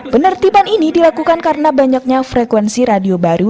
penertiban ini dilakukan karena banyaknya frekuensi radio baru